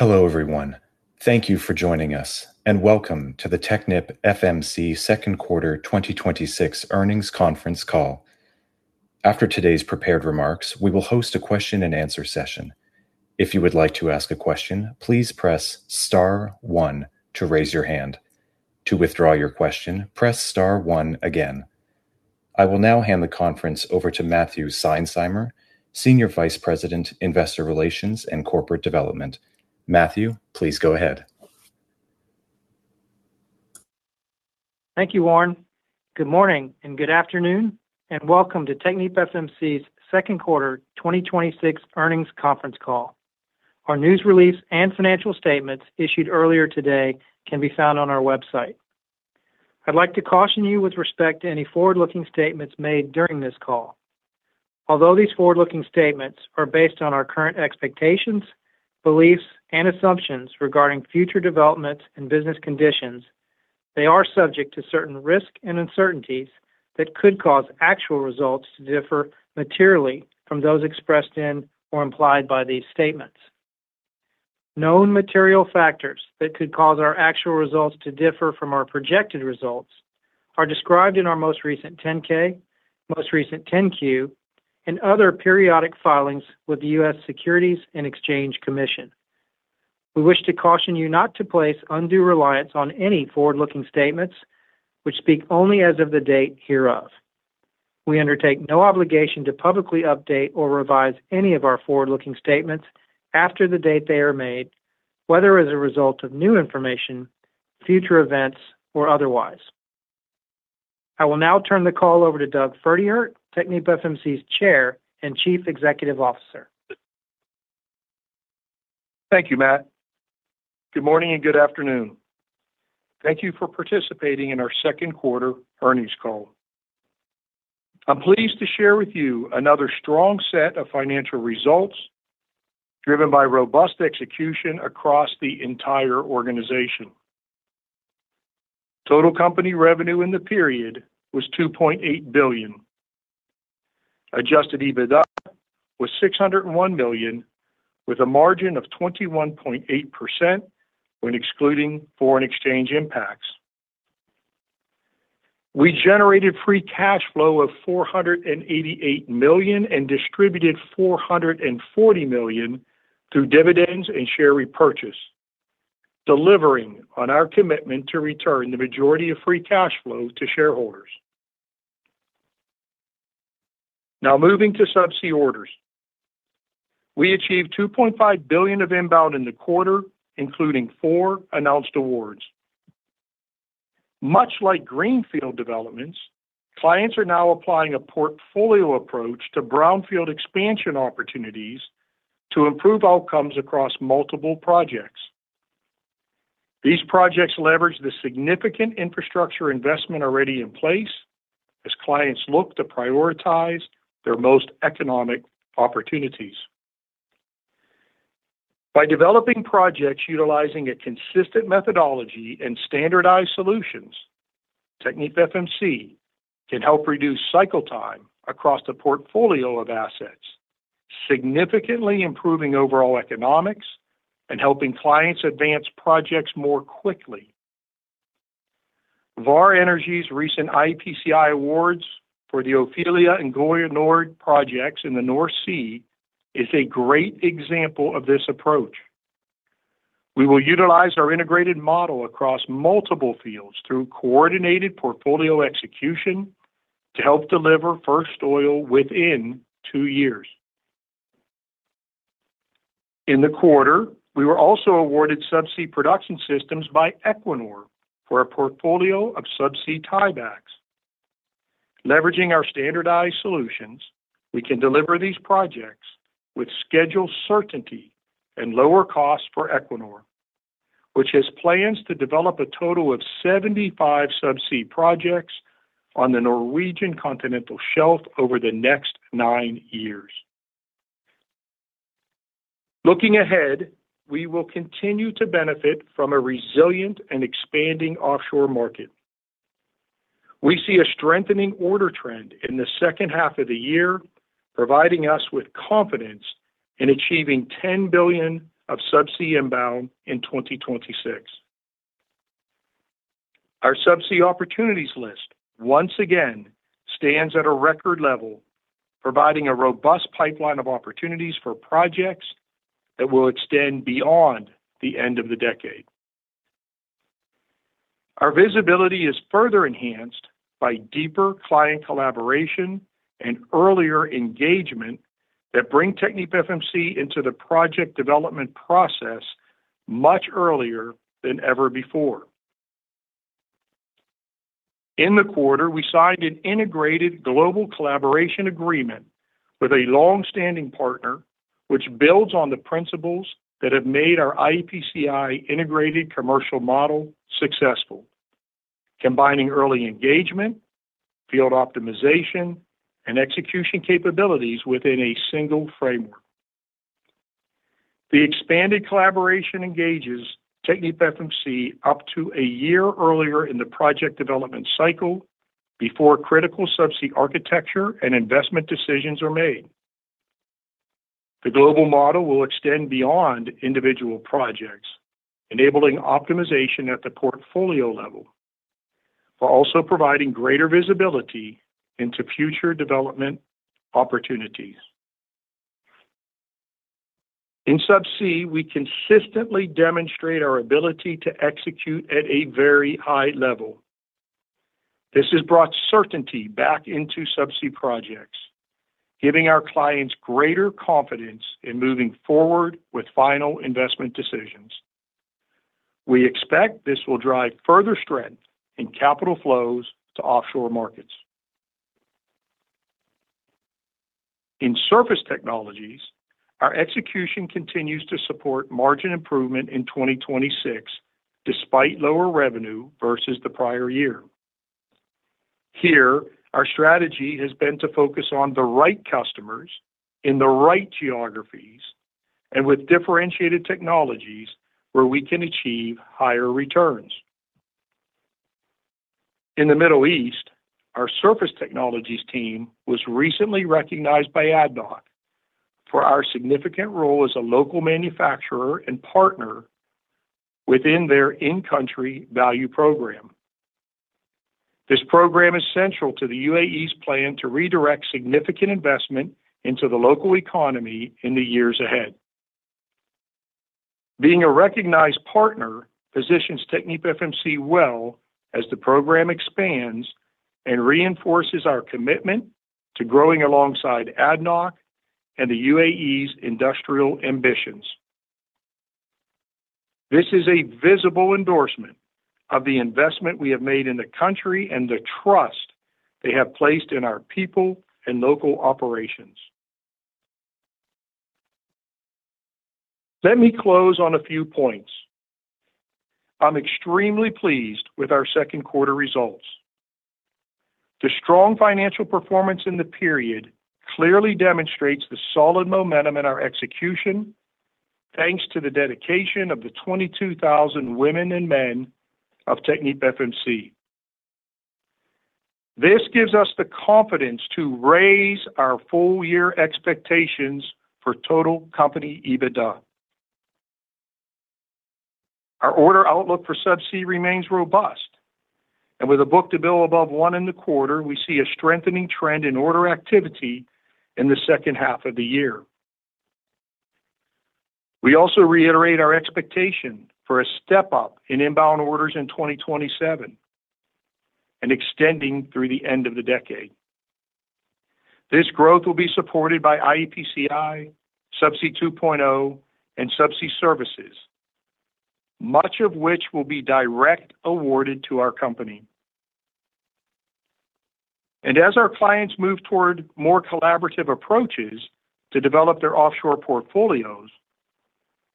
Hello, everyone. Thank you for joining us, and welcome to the TechnipFMC Second Quarter 2026 Earnings Conference Call. After today's prepared remarks, we will host a question and answer session. If you would like to ask a question, please press star one to raise your hand. To withdraw your question, press star one again. I will now hand the conference over to Matthew Seinsheimer, Senior Vice President, Investor Relations and Corporate Development. Matthew, please go ahead. Thank you, Warren. Good morning and good afternoon, welcome to TechnipFMC's Second Quarter 2026 Earnings Conference Call. Our news release and financial statements issued earlier today can be found on our website. I'd like to caution you with respect to any forward-looking statements made during this call. Although these forward-looking statements are based on our current expectations, beliefs, and assumptions regarding future developments and business conditions, they are subject to certain risks and uncertainties that could cause actual results to differ materially from those expressed in or implied by these statements. Known material factors that could cause our actual results to differ from our projected results are described in our most recent 10-K, most recent 10-Q, and other periodic filings with the U.S. Securities and Exchange Commission. We wish to caution you not to place undue reliance on any forward-looking statements which speak only as of the date hereof. We undertake no obligation to publicly update or revise any of our forward-looking statements after the date they are made, whether as a result of new information, future events, or otherwise. I will now turn the call over to Doug Pferdehirt, TechnipFMC's Chair and Chief Executive Officer. Thank you, Matt. Good morning and good afternoon. Thank you for participating in our second quarter earnings call. I'm pleased to share with you another strong set of financial results driven by robust execution across the entire organization. Total company revenue in the period was $2.8 billion. Adjusted EBITDA was $601 million, with a margin of 21.8% when excluding foreign exchange impacts. We generated free cash flow of $488 million and distributed $440 million through dividends and share repurchase, delivering on our commitment to return the majority of free cash flow to shareholders. Now moving to subsea orders. We achieved $2.5 billion of inbound in the quarter, including four announced awards. Much like greenfield developments, clients are now applying a portfolio approach to brownfield expansion opportunities to improve outcomes across multiple projects. These projects leverage the significant infrastructure investment already in place as clients look to prioritize their most economic opportunities. By developing projects utilizing a consistent methodology and standardized solutions, TechnipFMC can help reduce cycle time across the portfolio of assets, significantly improving overall economics and helping clients advance projects more quickly. Vår Energi's recent iEPCI awards for the Ofelia and Gjøa Nord projects in the North Sea is a great example of this approach. We will utilize our integrated model across multiple fields through coordinated portfolio execution to help deliver first oil within two years. In the quarter, we were also awarded subsea production systems by Equinor for a portfolio of subsea tiebacks. Leveraging our standardized solutions, we can deliver these projects with schedule certainty and lower costs for Equinor, which has plans to develop a total of 75 subsea projects on the Norwegian continental shelf over the next nine years. Looking ahead, we will continue to benefit from a resilient and expanding offshore market. We see a strengthening order trend in the second half of the year, providing us with confidence in achieving $10 billion of subsea inbound in 2026. Our subsea opportunities list once again stands at a record level, providing a robust pipeline of opportunities for projects that will extend beyond the end of the decade. Our visibility is further enhanced by deeper client collaboration and earlier engagement that bring TechnipFMC into the project development process much earlier than ever before. In the quarter, we signed an integrated global collaboration agreement with a longstanding partner, which builds on the principles that have made our iEPCI integrated commercial model successful, combining early engagement, field optimization, and execution capabilities within a single framework. The expanded collaboration engages TechnipFMC up to a year earlier in the project development cycle before critical subsea architecture and investment decisions are made. The global model will extend beyond individual projects, enabling optimization at the portfolio level, while also providing greater visibility into future development opportunities. In subsea, we consistently demonstrate our ability to execute at a very high level. This has brought certainty back into subsea projects, giving our clients greater confidence in moving forward with final investment decisions. We expect this will drive further strength in capital flows to offshore markets. In surface technologies, our execution continues to support margin improvement in 2026, despite lower revenue versus the prior year. Here, our strategy has been to focus on the right customers in the right geographies and with differentiated technologies where we can achieve higher returns. In the Middle East, our surface technologies team was recently recognized by ADNOC for our significant role as a local manufacturer and partner within their in-country value program. This program is central to the UAE's plan to redirect significant investment into the local economy in the years ahead. Being a recognized partner positions TechnipFMC well as the program expands and reinforces our commitment to growing alongside ADNOC and the UAE's industrial ambitions. This is a visible endorsement of the investment we have made in the country and the trust they have placed in our people and local operations. Let me close on a few points. I'm extremely pleased with our second quarter results. The strong financial performance in the period clearly demonstrates the solid momentum in our execution, thanks to the dedication of the 22,000 women and men of TechnipFMC. This gives us the confidence to raise our full-year expectations for total company EBITDA. Our order outlook for subsea remains robust. With a book-to-bill above one in the quarter, we see a strengthening trend in order activity in the second half of the year. We also reiterate our expectation for a step up in inbound orders in 2027 and extending through the end of the decade. This growth will be supported by EPCI, Subsea 2.0®, and Subsea Services, much of which will be direct awarded to our company. As our clients move toward more collaborative approaches to develop their offshore portfolios,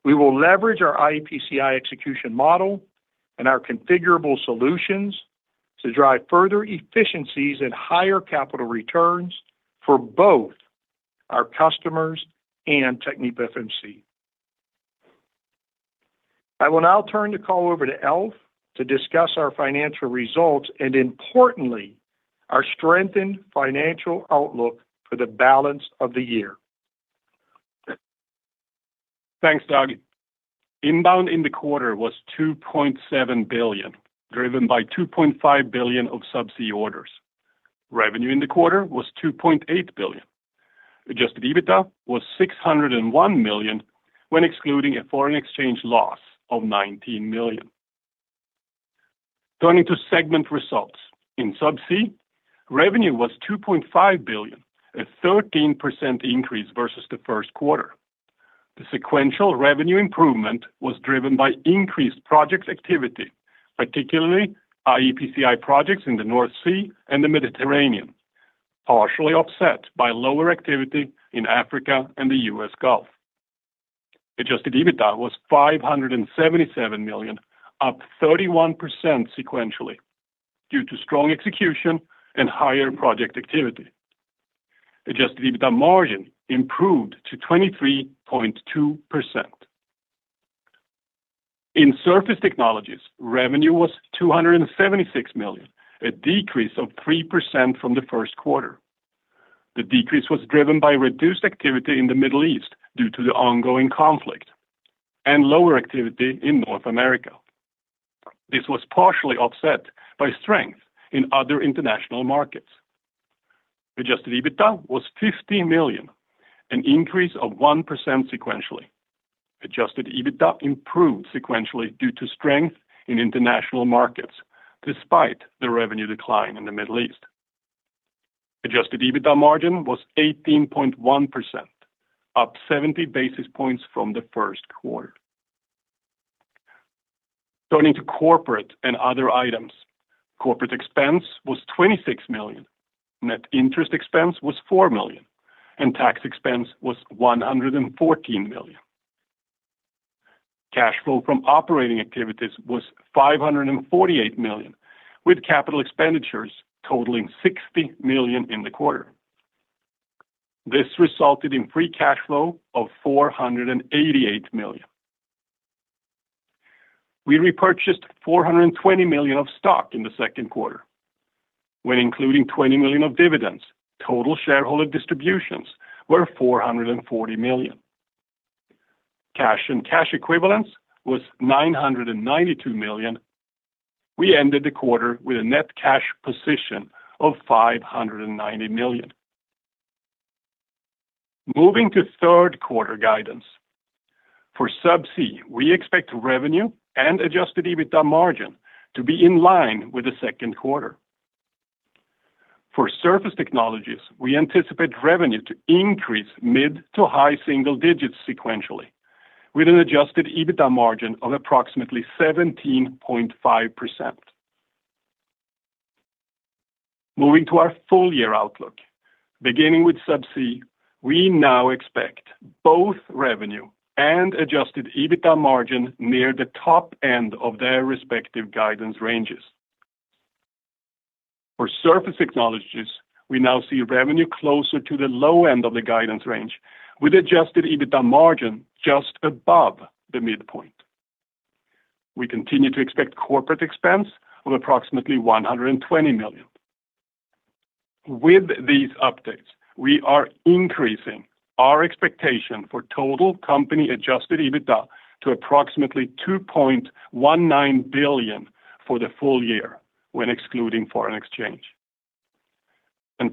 we will leverage our EPCI execution model and our configurable solutions to drive further efficiencies and higher capital returns for both our customers and TechnipFMC. I will now turn the call over to Alf to discuss our financial results and importantly, our strengthened financial outlook for the balance of the year. Thanks, Doug. Inbound in the quarter was $2.7 billion, driven by $2.5 billion of subsea orders. Revenue in the quarter was $2.8 billion. Adjusted EBITDA was $601 million when excluding a foreign exchange loss of $19 million. Turning to segment results. In Subsea, revenue was $2.5 billion, a 13% increase versus the first quarter. The sequential revenue improvement was driven by increased projects activity, particularly EPCI projects in the North Sea and the Mediterranean, partially offset by lower activity in Africa and the U.S. Gulf. Adjusted EBITDA was $577 million, up 31% sequentially due to strong execution and higher project activity. Adjusted EBITDA margin improved to 23.2%. In surface technologies, revenue was $276 million, a decrease of 3% from the first quarter. The decrease was driven by reduced activity in the Middle East due to the ongoing conflict and lower activity in North America. This was partially offset by strength in other international markets. Adjusted EBITDA was $15 million, an increase of 1% sequentially. Adjusted EBITDA improved sequentially due to strength in international markets, despite the revenue decline in the Middle East. Adjusted EBITDA margin was 18.1%, up 70 basis points from the first quarter. Turning to corporate and other items. Corporate expense was $26 million. Net interest expense was $4 million, and tax expense was $114 million. Cash flow from operating activities was $548 million, with capital expenditures totaling $60 million in the quarter. This resulted in free cash flow of $488 million. We repurchased $420 million of stock in the second quarter. When including $20 million of dividends, total shareholder distributions were $440 million. Cash and cash equivalents was $992 million. We ended the quarter with a net cash position of $590 million. Moving to third quarter guidance. For Subsea, we expect revenue and adjusted EBITDA margin to be in line with the second quarter. For Surface Technologies, we anticipate revenue to increase mid to high single digits sequentially, with an adjusted EBITDA margin of approximately 17.5%. Moving to our full-year outlook. Beginning with Subsea, we now expect both revenue and adjusted EBITDA margin near the top end of their respective guidance ranges. For Surface Technologies, we now see revenue closer to the low end of the guidance range, with adjusted EBITDA margin just above the midpoint. We continue to expect corporate expense of approximately $120 million. With these updates, we are increasing our expectation for total company adjusted EBITDA to approximately $2.19 billion for the full-year when excluding foreign exchange.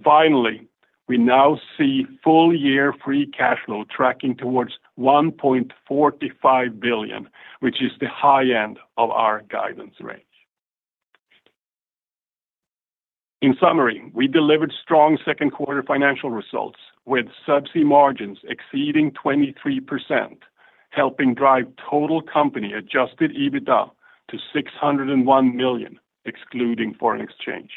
Finally, we now see full-year free cash flow tracking towards $1.45 billion, which is the high-end of our guidance range. In summary, we delivered strong second quarter financial results, with Subsea margins exceeding 23%, helping drive total company adjusted EBITDA to $601 million, excluding foreign exchange,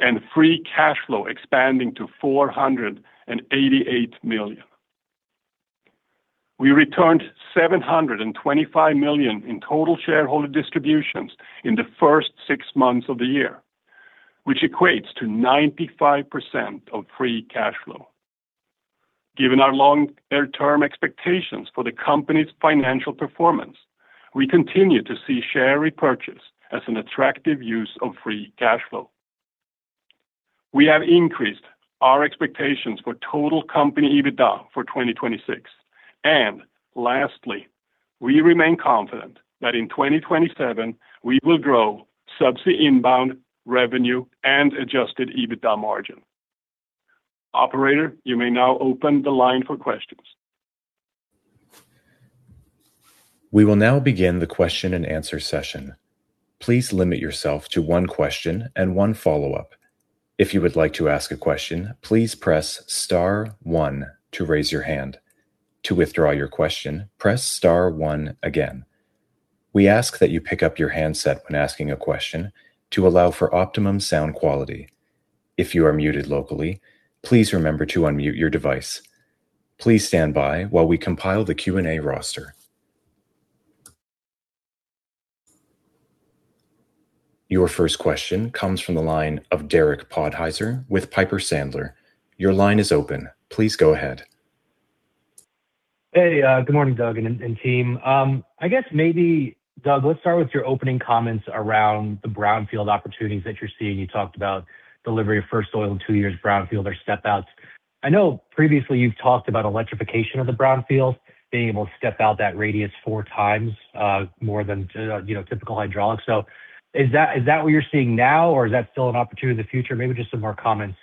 and free cash flow expanding to $488 million. We returned $725 million in total shareholder distributions in the first six months of the year, which equates to 95% of free cash flow. Given our longer-term expectations for the company's financial performance, we continue to see share repurchase as an attractive use of free cash flow. We have increased our expectations for total company EBITDA for 2026. Lastly, we remain confident that in 2027 we will grow Subsea inbound revenue and adjusted EBITDA margin. Operator, you may now open the line for questions. We will now begin the question and answer session. Please limit yourself to one question and one follow-up. If you would like to ask a question, please press star one to raise your hand. To withdraw your question, press star one again. We ask that you pick up your handset when asking a question to allow for optimum sound quality. If you are muted locally, please remember to unmute your device. Please stand by while we compile the Q&A roster. Your first question comes from the line of Derek Podhaizer with Piper Sandler. Your line is open. Please go ahead. Hey, good morning, Doug and team. I guess maybe, Doug, let's start with your opening comments around the brownfield opportunities that you're seeing. You talked about delivery of first oil in two years, brownfield or step outs. I know previously you've talked about electrification of the brownfields, being able to step out that radius four times more than typical hydraulics. Is that what you're seeing now, or is that still an opportunity in the future? Maybe just some more comments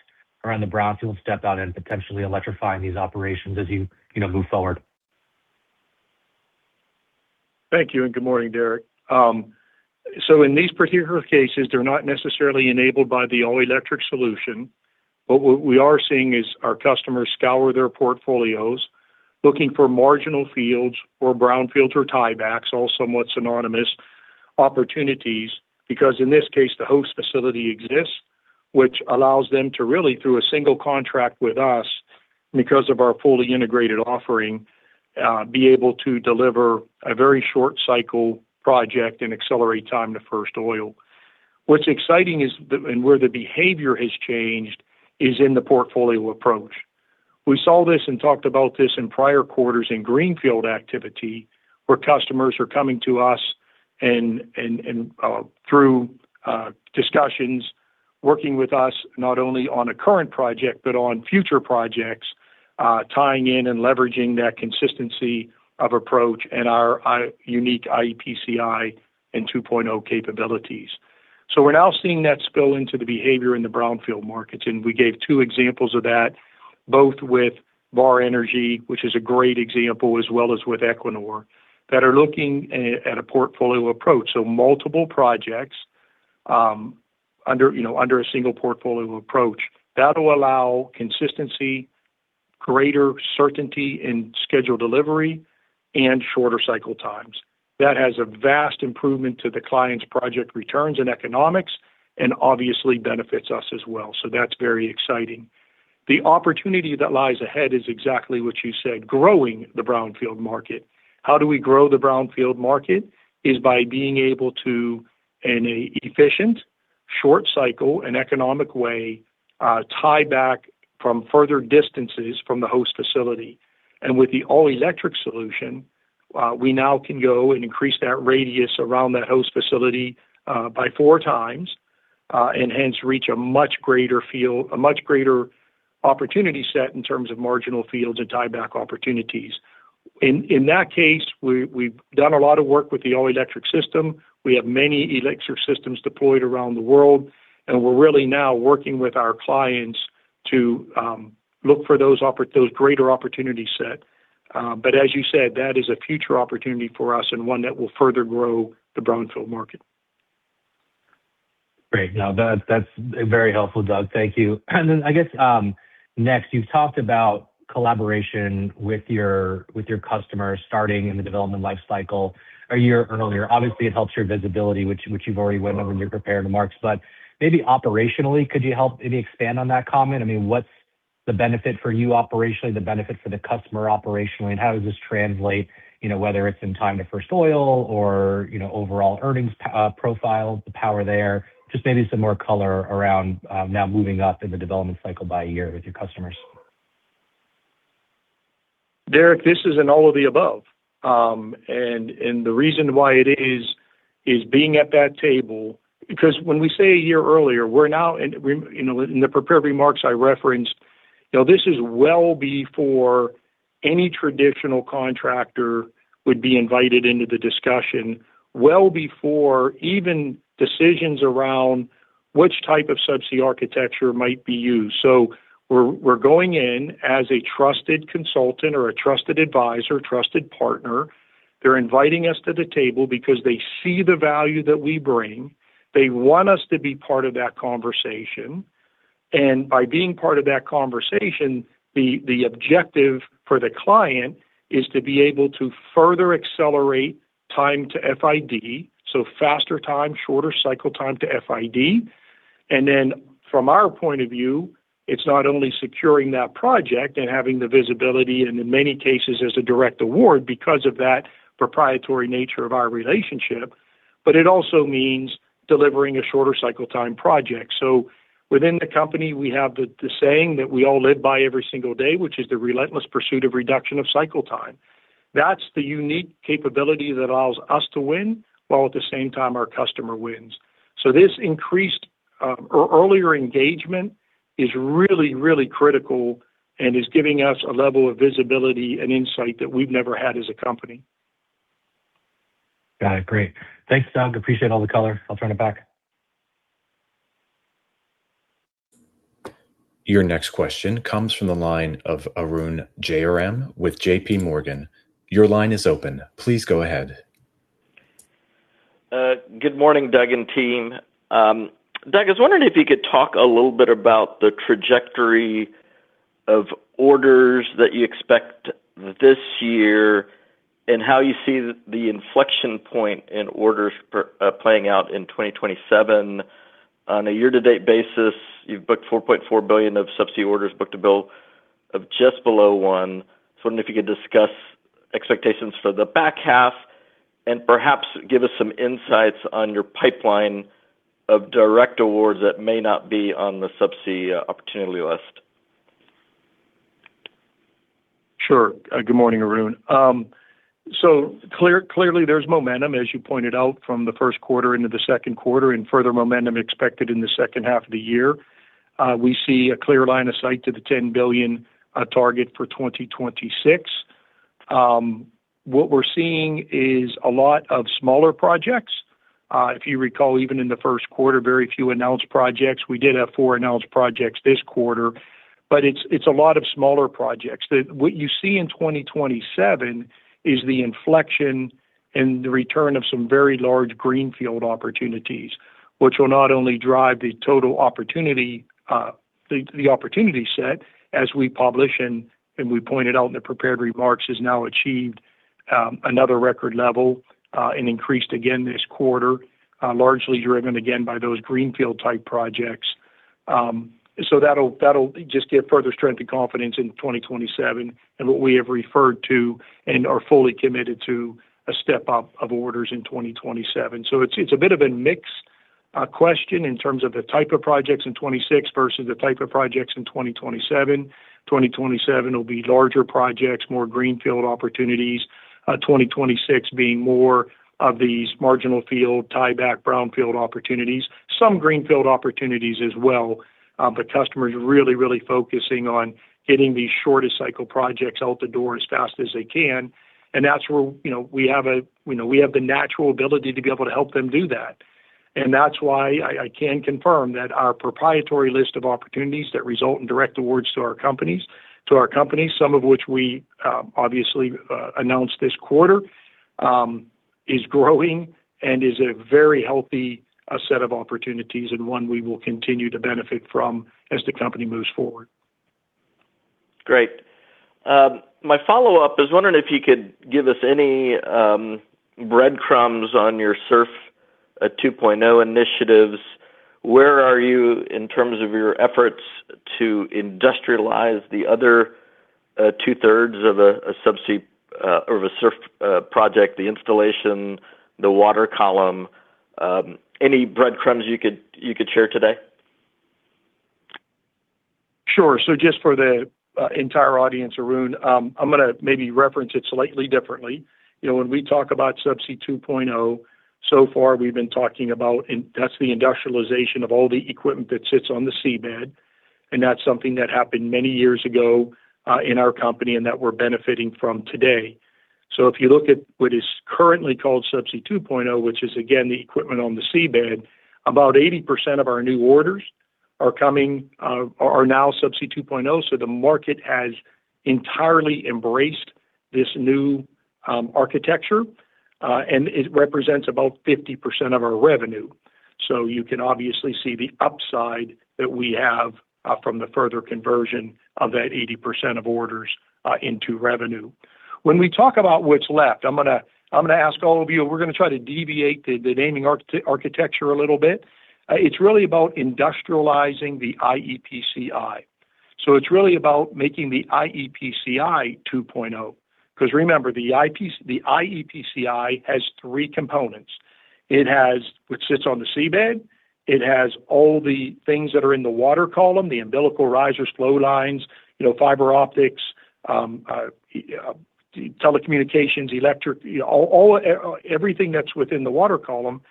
around the brownfield step out and potentially electrifying these operations as you move forward. Thank you, and good morning, Derek. In these particular cases, they're not necessarily enabled by the all-electric solution. What we are seeing is our customers scour their portfolios looking for marginal fields or brownfield or tiebacks, all somewhat synonymous opportunities, because in this case, the host facility exists, which allows them to really, through a single contract with us, because of our fully integrated offering, be able to deliver a very short cycle project and accelerate time to first oil. What's exciting is, and where the behavior has changed, is in the portfolio approach. We saw this and talked about this in prior quarters in greenfield activity, where customers are coming to us and through discussions, working with us not only on a current project but on future projects, tying in and leveraging that consistency of approach and our unique iEPCI and 2.0 capabilities. We're now seeing that spill into the behavior in the brownfield markets, and we gave two examples of that, both with Vår Energi, which is a great example, as well as with Equinor, that are looking at a portfolio approach. Multiple projects under a single portfolio approach. That'll allow consistency, greater certainty in schedule delivery, and shorter cycle times. That has a vast improvement to the client's project returns and economics, and obviously benefits us as well. That's very exciting. The opportunity that lies ahead is exactly what you said, growing the brownfield market. How do we grow the brownfield market is by being able to, in a efficient Short cycle and economic way, tie back from further distances from the host facility. With the all-electric solution, we now can go and increase that radius around that host facility by four times, and hence reach a much greater opportunity set in terms of marginal fields and tieback opportunities. In that case, we've done a lot of work with the all-electric system. We have many electric systems deployed around the world, and we're really now working with our clients to look for those greater opportunity set. As you said, that is a future opportunity for us and one that will further grow the brownfield market. Great. No, that's very helpful, Doug. Thank you. I guess, next, you've talked about collaboration with your customers starting in the development life cycle a year earlier. Obviously, it helps your visibility, which you've already went over in your prepared remarks, but maybe operationally, could you help maybe expand on that comment? What's the benefit for you operationally, the benefit for the customer operationally, and how does this translate, whether it's in time to first oil or overall earnings profile, the power there. Just maybe some more color around now moving up in the development cycle by a year with your customers. Derek, this is an all of the above. The reason why it is being at that table because when we say a year earlier, in the prepared remarks I referenced, this is well before any traditional contractor would be invited into the discussion, well before even decisions around which type of subsea architecture might be used. We're going in as a trusted consultant or a trusted advisor, trusted partner. They're inviting us to the table because they see the value that we bring. They want us to be part of that conversation. By being part of that conversation, the objective for the client is to be able to further accelerate time to FID, so faster time, shorter cycle time to FID. From our point of view, it's not only securing that project and having the visibility, and in many cases, there's a direct award because of that proprietary nature of our relationship, but it also means delivering a shorter cycle time project. Within the company, we have the saying that we all live by every single day, which is the relentless pursuit of reduction of cycle time. That's the unique capability that allows us to win, while at the same time our customer wins. This increased earlier engagement is really, really critical and is giving us a level of visibility and insight that we've never had as a company. Got it. Great. Thanks, Doug. Appreciate all the color. I'll turn it back. Your next question comes from the line of Arun Jayaram with JPMorgan. Your line is open. Please go ahead. Good morning, Doug and team. Doug, I was wondering if you could talk a little bit about the trajectory of orders that you expect this year and how you see the inflection point in orders playing out in 2027. On a year-to-date basis, you've booked $4.4 billion of subsea orders, book-to-bill of just below one. Just wondering if you could discuss expectations for the back half and perhaps give us some insights on your pipeline of direct awards that may not be on the subsea opportunity list. Sure. Good morning, Arun. Clearly, there's momentum, as you pointed out, from the first quarter into the second quarter, and further momentum expected in the second half of the year. We see a clear line of sight to the $10 billion target for 2026. What we're seeing is a lot of smaller projects. If you recall, even in the first quarter, very few announced projects. We did have four announced projects this quarter, but it's a lot of smaller projects. What you see in 2027 is the inflection and the return of some very large greenfield opportunities, which will not only drive the total opportunity set as we publish and we pointed out in the prepared remarks, has now achieved another record level, and increased again this quarter, largely driven, again, by those greenfield-type projects. That'll just give further strength and confidence in 2027 in what we have referred to and are fully committed to a step-up of orders in 2027. It's a bit of a mixed question in terms of the type of projects in 2026 versus the type of projects in 2027. 2027 will be larger projects, more greenfield opportunities. 2026 being more of these marginal field tieback brownfield opportunities. Some greenfield opportunities as well. Customers really focusing on getting these shorter cycle projects out the door as fast as they can, and that's where we have the natural ability to be able to help them do that. That's why I can confirm that our proprietary list of opportunities that result in direct awards to our companies, some of which we obviously announced this quarter, is growing and is a very healthy set of opportunities and one we will continue to benefit from as the company moves forward. Great. My follow-up is wondering if you could give us any breadcrumbs on your SURF 2.0 initiatives. In terms of your efforts to industrialize the other two-thirds of a subsea or of a SURF project, the installation, the water column, any breadcrumbs you could share today? Sure. Just for the entire audience, Arun, I'm going to maybe reference it slightly differently. When we talk about Subsea 2.0®, so far we've been talking about that's the industrialization of all the equipment that sits on the seabed, that's something that happened many years ago in our company and that we're benefiting from today. If you look at what is currently called Subsea 2.0®, which is again, the equipment on the seabed, about 80% of our new orders are now Subsea 2.0®, the market has entirely embraced this new architecture. It represents about 50% of our revenue. You can obviously see the upside that we have from the further conversion of that 80% of orders into revenue. When we talk about what's left, I'm going to ask all of you, we're going to try to deviate the naming architecture a little bit. It's really about industrializing the iEPCI. It's really about making the iEPCI 2.0. Remember, the iEPCI has three components. It has, which sits on the seabed, it has all the things that are in the water column, the umbilical risers, flow lines, fiber optics, telecommunications, electric, everything that's within the water column,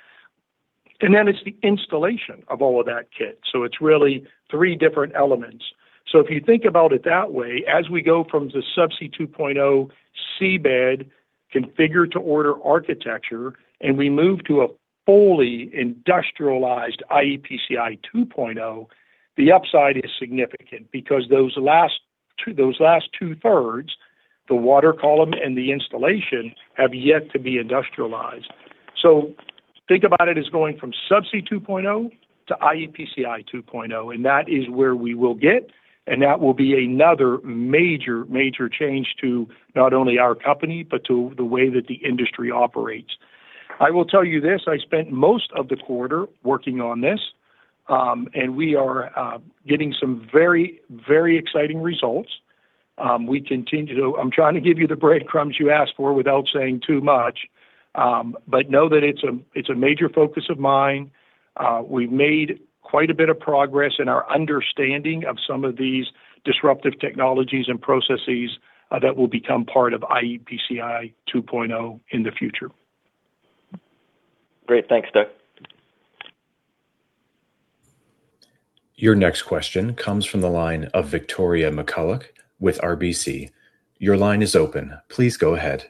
then it's the installation of all of that kit. It's really three different elements. If you think about it that way, as we go from the Subsea 2.0® seabed configured to order architecture, we move to a fully industrialized iEPCI 2.0, the upside is significant because those last two-thirds, the water column and the installation, have yet to be industrialized. Think about it as going from Subsea 2.0® to iEPCI 2.0, that is where we will get, that will be another major change to not only our company but to the way that the industry operates. I will tell you this, I spent most of the quarter working on this, we are getting some very exciting results. I'm trying to give you the breadcrumbs you asked for without saying too much, know that it's a major focus of mine. We've made quite a bit of progress in our understanding of some of these disruptive technologies and processes that will become part of iEPCI 2.0 in the future. Great. Thanks, Doug. Your next question comes from the line of Victoria McCulloch with RBC. Your line is open. Please go ahead.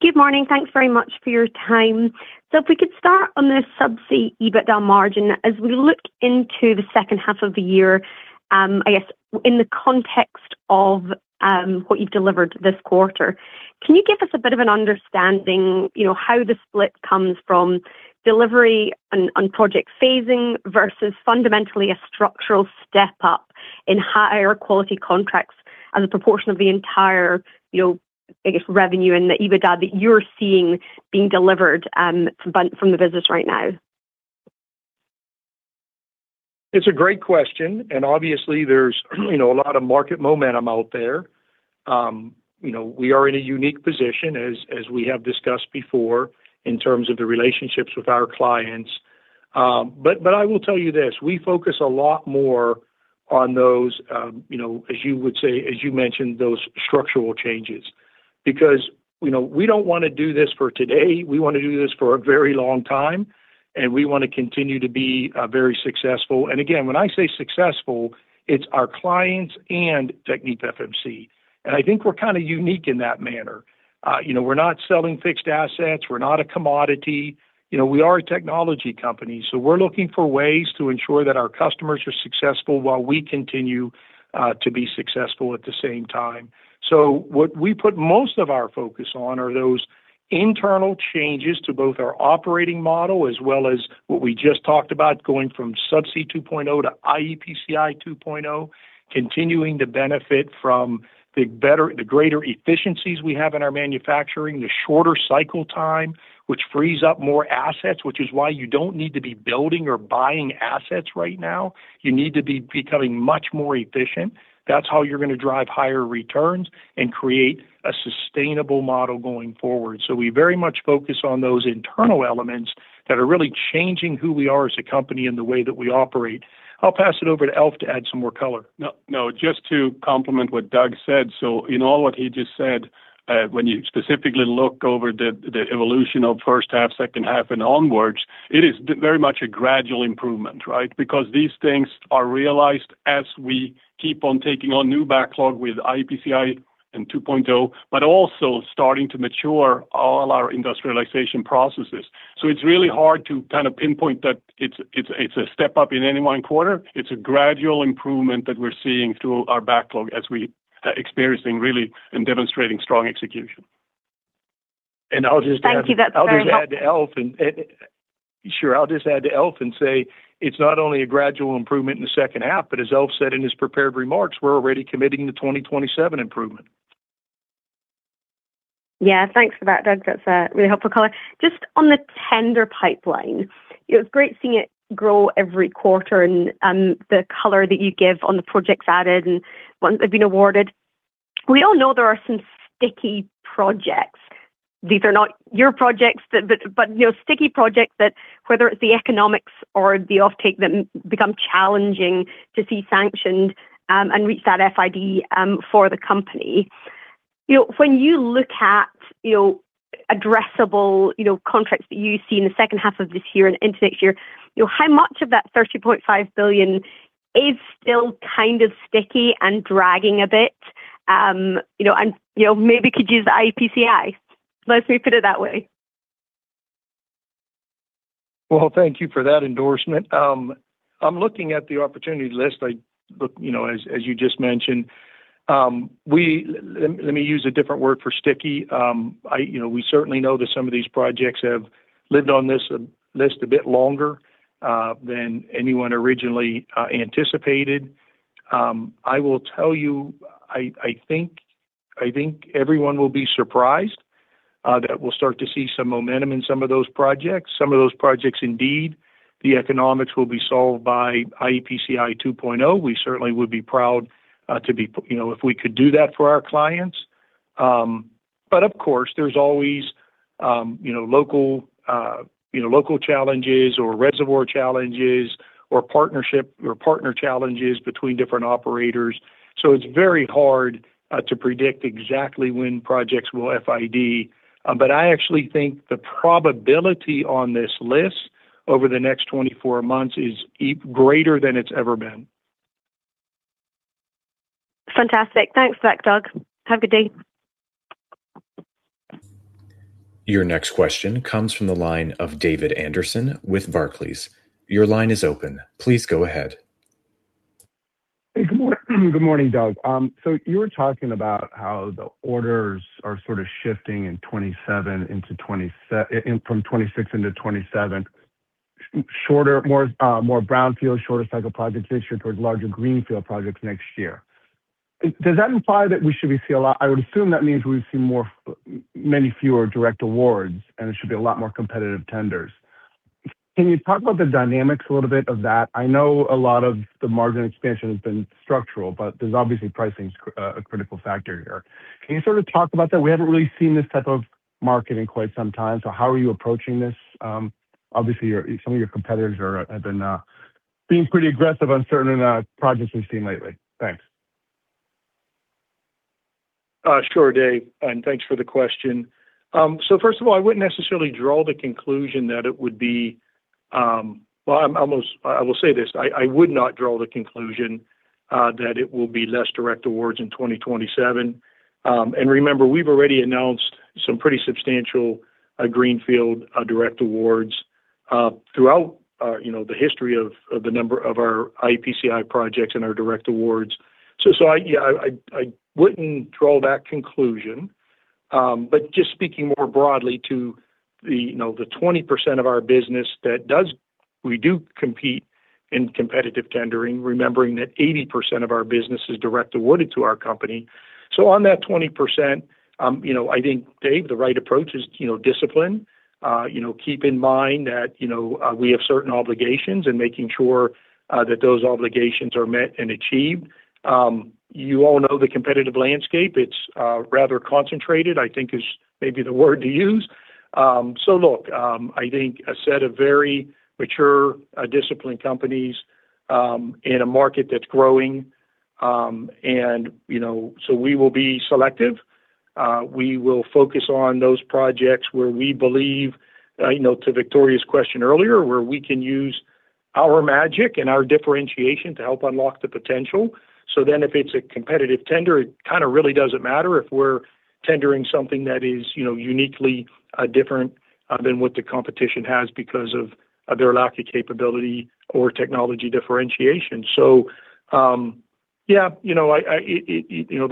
Good morning. Thanks very much for your time. If we could start on the Subsea EBITDA margin, as we look into the second half of the year, I guess, in the context of what you've delivered this quarter, can you give us a bit of an understanding how the split comes from delivery on project phasing versus fundamentally a structural step up in higher quality contracts as a proportion of the entire, I guess, revenue and the EBITDA that you're seeing being delivered from the business right now? It's a great question, obviously there's a lot of market momentum out there. We are in a unique position as we have discussed before, in terms of the relationships with our clients. I will tell you this, we focus a lot more on those, as you mentioned, those structural changes. We don't want to do this for today, we want to do this for a very long time, and we want to continue to be very successful. Again, when I say successful, it's our clients and TechnipFMC. I think we're kind of unique in that manner. We're not selling fixed assets. We're not a commodity. We are a technology company, so we're looking for ways to ensure that our customers are successful while we continue to be successful at the same time. What we put most of our focus on are those internal changes to both our operating model as well as what we just talked about, going from Subsea 2.0® to iEPCI 2.0, continuing to benefit from the greater efficiencies we have in our manufacturing, the shorter cycle time, which frees up more assets, which is why you don't need to be building or buying assets right now. You need to be becoming much more efficient. That's how you're going to drive higher returns and create a sustainable model going forward. We very much focus on those internal elements that are really changing who we are as a company and the way that we operate. I'll pass it over to Alf to add some more color. No, just to complement what Doug said. In all what he just said, when you specifically look over the evolution of first half, second half, and onwards, it is very much a gradual improvement, right? Because these things are realized as we keep on taking on new backlog with iEPCI and 2.0, but also starting to mature all our industrialization processes. It's really hard to kind of pinpoint that it's a step-up in any one quarter. It's a gradual improvement that we're seeing through our backlog as we experiencing really and demonstrating strong execution. I'll just add. Thank you. That's very helpful. I'll just add to Alf and say it's not only a gradual improvement in the second half, but as Alf said in his prepared remarks, we're already committing to 2027 improvement. Yeah, thanks for that, Doug. That's a really helpful color. Just on the tender pipeline, it's great seeing it grow every quarter and the color that you give on the projects added and ones that have been awarded. We all know there are some sticky projects. These are not your projects, but sticky projects that whether it's the economics or the offtake that become challenging to see sanctioned and reach that FID for the company. When you look at addressable contracts that you see in the second half of this year and into next year, how much of that $30.5 billion is still kind of sticky and dragging a bit? Maybe could use the iEPCI. Let me put it that way. Well, thank you for that endorsement. I'm looking at the opportunity list as you just mentioned. Let me use a different word for sticky. We certainly know that some of these projects have lived on this list a bit longer than anyone originally anticipated. I will tell you, I think everyone will be surprised that we'll start to see some momentum in some of those projects. Some of those projects, indeed, the economics will be solved by iEPCI 2.0. We certainly would be proud if we could do that for our clients. Of course, there's always local challenges or reservoir challenges or partner challenges between different operators. It's very hard to predict exactly when projects will FID. I actually think the probability on this list over the next 24 months is greater than it's ever been. Fantastic. Thanks for that, Doug. Have a good day. Your next question comes from the line of David Anderson with Barclays. Your line is open. Please go ahead. Hey, good morning, Doug. You were talking about how the orders are sort of shifting from 2026 into 2027. Shorter, more brownfield, shorter cycle projects this year towards larger greenfield projects next year. Does that imply that we should be seeing I would assume that means we've seen many fewer direct awards, and it should be a lot more competitive tenders. Can you talk about the dynamics a little bit of that? I know a lot of the margin expansion has been structural, but there's obviously pricing's a critical factor here. Can you sort of talk about that? We haven't really seen this type of marketing in quite some time, how are you approaching this? Obviously, some of your competitors have been being pretty aggressive on certain projects we've seen lately. Thanks. Sure, Dave, and thanks for the question. First of all, I wouldn't necessarily draw the conclusion that Well, I will say this. I would not draw the conclusion that it will be less direct awards in 2027. Remember, we've already announced some pretty substantial greenfield direct awards throughout the history of the number of our iEPCI projects and our direct awards. I wouldn't draw that conclusion. Just speaking more broadly to the 20% of our business that we do compete in competitive tendering, remembering that 80% of our business is direct awarded to our company. On that 20%, I think, Dave, the right approach is discipline. Keep in mind that we have certain obligations and making sure that those obligations are met and achieved. You all know the competitive landscape. It's rather concentrated, I think is maybe the word to use. Look, I think a set of very mature, disciplined companies in a market that's growing. We will be selective. We will focus on those projects where we believe, to Victoria's question earlier, where we can use our magic and our differentiation to help unlock the potential. Then if it's a competitive tender, it kind of really doesn't matter if we're tendering something that is uniquely different than what the competition has because of their lack of capability or technology differentiation. Yeah, the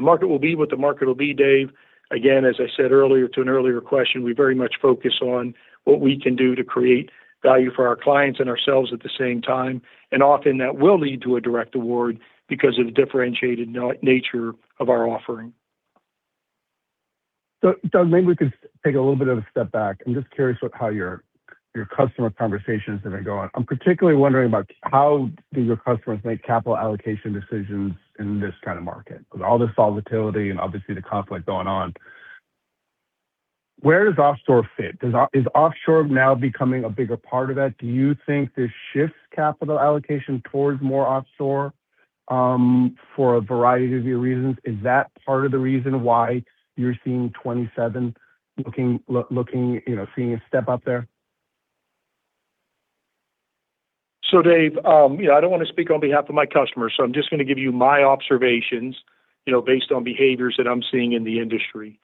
market will be what the market will be, Dave. Again, as I said earlier to an earlier question, we very much focus on what we can do to create value for our clients and ourselves at the same time. Often that will lead to a direct award because of the differentiated nature of our offering. Doug, maybe we could take a little bit of a step back. I'm just curious about how your customer conversations have been going. I'm particularly wondering about how do your customers make capital allocation decisions in this kind of market? With all this volatility and obviously the conflict going on, where does offshore fit? Is offshore now becoming a bigger part of that? Do you think this shifts capital allocation towards more offshore for a variety of your reasons? Is that part of the reason why you're seeing 2027 seeing a step up there? Dave, I don't want to speak on behalf of my customers, so I'm just going to give you my observations based on behaviors that I'm seeing in the industry.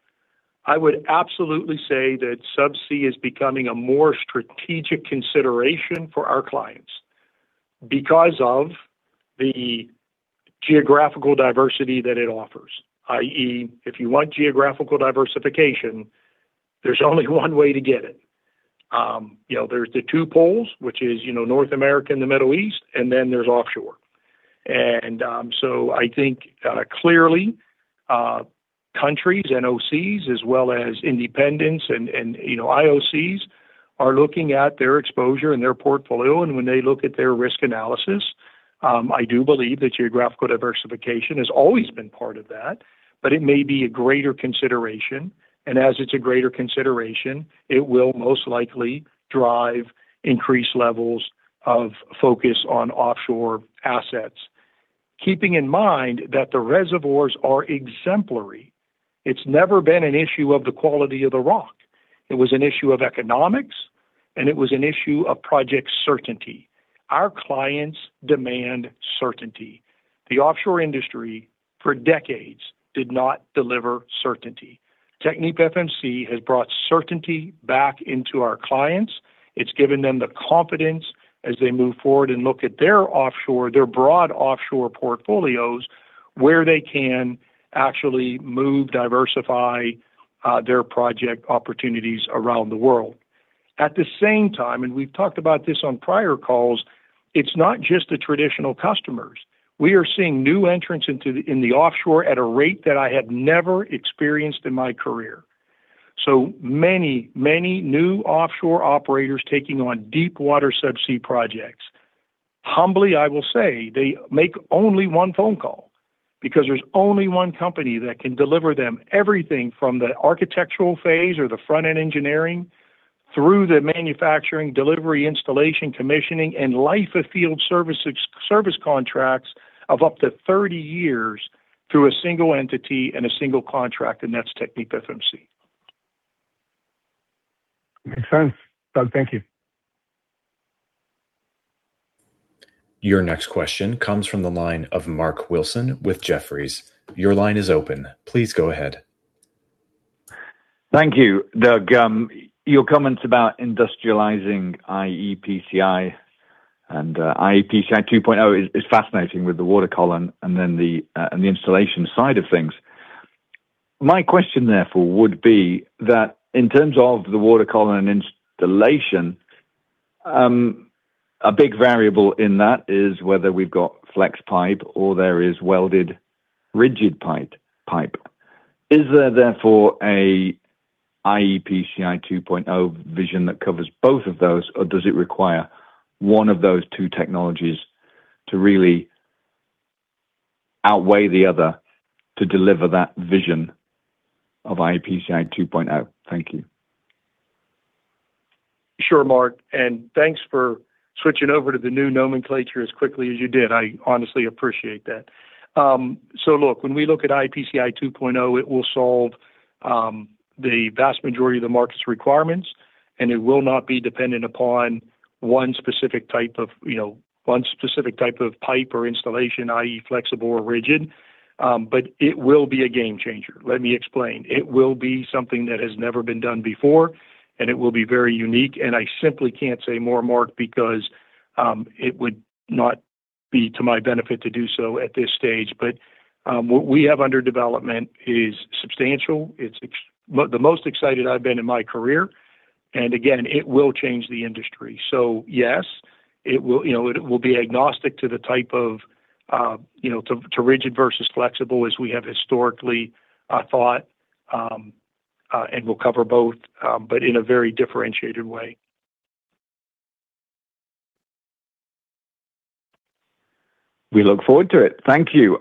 I would absolutely say that subsea is becoming a more strategic consideration for our clients because of the geographical diversity that it offers, i.e., if you want geographical diversification, there's only one way to get it. There's the two poles, which is North America and the Middle East, and then there's offshore. I think clearly, countries, NOCs as well as independents and IOCs are looking at their exposure and their portfolio. When they look at their risk analysis, I do believe that geographical diversification has always been part of that, but it may be a greater consideration, and as it's a greater consideration, it will most likely drive increased levels of focus on offshore assets. Keeping in mind that the reservoirs are exemplary. It's never been an issue of the quality of the rock. It was an issue of economics, and it was an issue of project certainty. Our clients demand certainty. The offshore industry for decades did not deliver certainty. TechnipFMC has brought certainty back into our clients. It's given them the confidence as they move forward and look at their broad offshore portfolios where they can actually move, diversify their project opportunities around the world. At the same time, and we've talked about this on prior calls, it's not just the traditional customers. We are seeing new entrants in the offshore at a rate that I have never experienced in my career. So many new offshore operators taking on deepwater subsea projects. Humbly, I will say they make only one phone call because there's only one company that can deliver them everything from the architectural phase or the front-end engineering through the manufacturing, delivery, installation, commissioning, and life of field service contracts of up to 30 years through a single entity and a single contract, and that's TechnipFMC. Makes sense. Doug, thank you. Your next question comes from the line of Mark Wilson with Jefferies. Your line is open. Please go ahead. Thank you. Doug, your comments about industrializing iEPCI and iEPCI 2.0 is fascinating with the water column and then the installation side of things. My question therefore would be that in terms of the water column and installation, a big variable in that is whether we've got flex pipe or there is welded rigid pipe. Is there therefore a iEPCI 2.0 vision that covers both of those or does it require one of those two technologies to really outweigh the other to deliver that vision of iEPCI 2.0? Thank you. Sure, Mark, and thanks for switching over to the new nomenclature as quickly as you did. I honestly appreciate that. Look, when we look at iEPCI 2.0, it will solve the vast majority of the market's requirements, and it will not be dependent upon one specific type of pipe or installation, i.e., flexible or rigid. It will be a game changer. Let me explain. It will be something that has never been done before, and it will be very unique, and I simply can't say more, Mark, because it would not be to my benefit to do so at this stage. What we have under development is substantial. It's the most excited I've been in my career. Again, it will change the industry. Yes, it will be agnostic to rigid versus flexible as we have historically thought, and we'll cover both, but in a very differentiated way. We look forward to it. Thank you.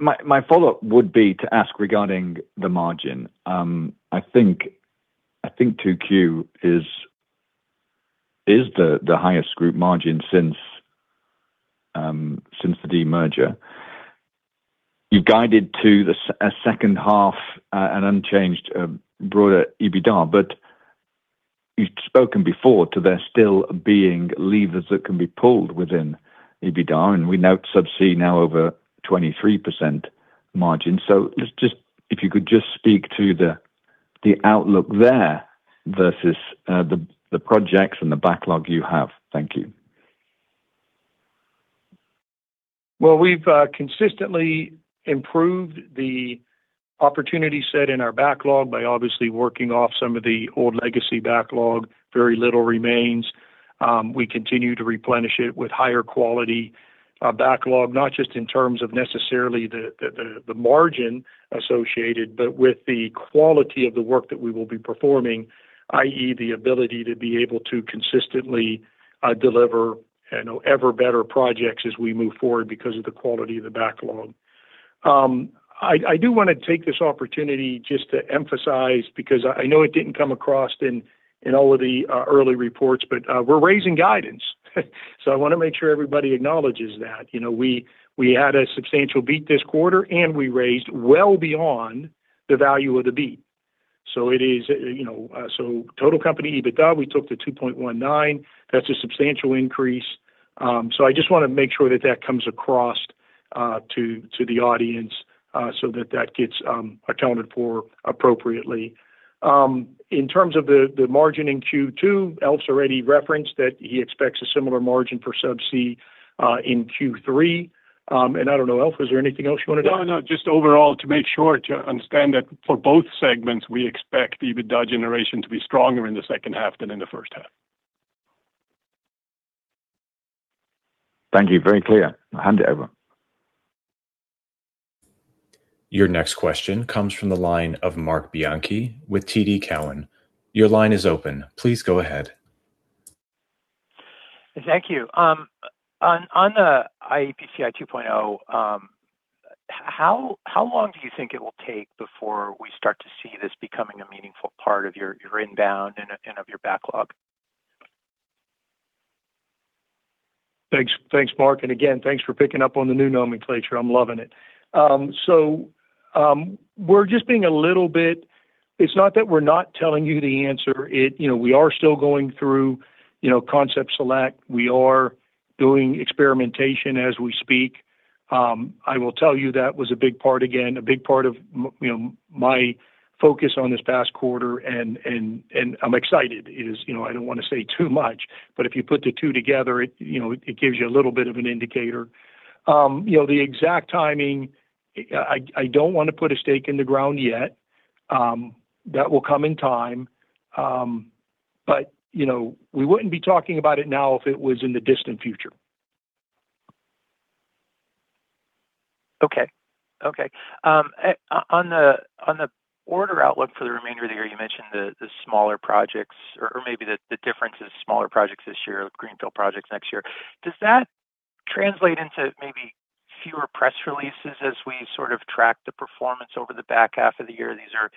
My follow-up would be to ask regarding the margin. I think 2Q is the highest group margin since the demerger. You guided to a second half, an unchanged broader EBITDA, but you've spoken before to there still being levers that can be pulled within EBITDA, and we note Subsea now over 23% margin. If you could just speak to the outlook there versus the projects and the backlog you have. Thank you. Well, we've consistently improved the opportunity set in our backlog by obviously working off some of the old legacy backlog. Very little remains. We continue to replenish it with higher quality backlog, not just in terms of necessarily the margin associated, but with the quality of the work that we will be performing, i.e., the ability to be able to consistently deliver ever better projects as we move forward because of the quality of the backlog. I do want to take this opportunity just to emphasize because I know it didn't come across in all of the early reports, but we're raising guidance, so I want to make sure everybody acknowledges that. We had a substantial beat this quarter, and we raised well beyond the value of the beat. Total company EBITDA, we took to $2.19. That's a substantial increase. I just want to make sure that that comes across to the audience, so that that gets accounted for appropriately. In terms of the margin in Q2, Alf's already referenced that he expects a similar margin for Subsea, in Q3. I don't know, Alf, is there anything else you wanted to? No, just overall to make sure to understand that for both segments, we expect the EBITDA generation to be stronger in the second half than in the first half. Thank you. Very clear. I'll hand it over. Your next question comes from the line of Marc Bianchi with TD Cowen. Your line is open. Please go ahead. Thank you. On the iEPCI 2.0, how long do you think it will take before we start to see this becoming a meaningful part of your inbound and of your backlog? Thanks, Marc. Thanks for picking up on the new nomenclature. I'm loving it. We're just being a little bit. It's not that we're not telling you the answer. We are still going through concept select. We are doing experimentation as we speak. I will tell you that was a big part, again, a big part of my focus on this past quarter, and I'm excited. I don't want to say too much, but if you put the two together, it gives you a little bit of an indicator. The exact timing, I don't want to put a stake in the ground yet. That will come in time. We wouldn't be talking about it now if it was in the distant future. Okay. On the order outlook for the remainder of the year, you mentioned the smaller projects or maybe the difference is smaller projects this year, greenfield projects next year. Does that translate into maybe fewer press releases as we sort of track the performance over the back half of the year? These are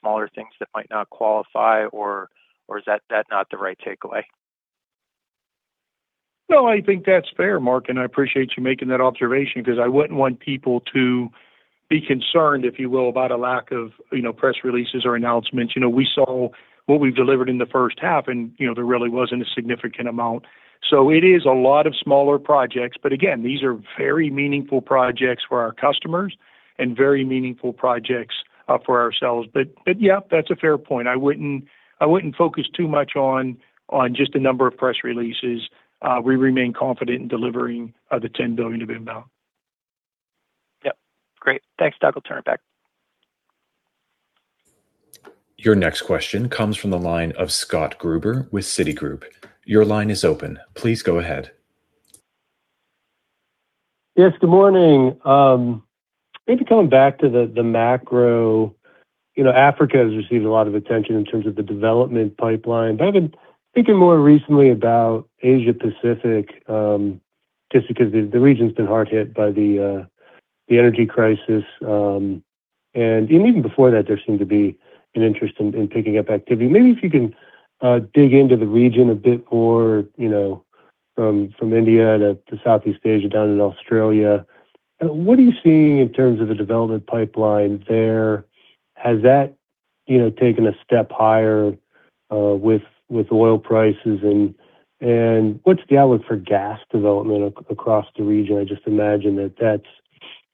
smaller things that might not qualify or is that not the right takeaway? No, I think that's fair, Marc, I appreciate you making that observation because I wouldn't want people to be concerned, if you will, about a lack of press releases or announcements. We saw what we delivered in the first half, and there really wasn't a significant amount. It is a lot of smaller projects. Again, these are very meaningful projects for our customers and very meaningful projects for ourselves. Yeah, that's a fair point. I wouldn't focus too much on just the number of press releases. We remain confident in delivering the $10 billion of inbound. Yep. Great. Thanks, Doug. I'll turn it back. Your next question comes from the line of Scott Gruber with Citigroup. Your line is open. Please go ahead. Yes, good morning. Maybe coming back to the macro, Africa has received a lot of attention in terms of the development pipeline, but I've been thinking more recently about Asia-Pacific, just because the region's been hard hit by the energy crisis. Even before that, there seemed to be an interest in picking up activity. Maybe if you can dig into the region a bit more, from India to Southeast Asia down in Australia. What are you seeing in terms of the development pipeline there? Has that taken a step higher with oil prices and what's the outlook for gas development across the region? I just imagine that that's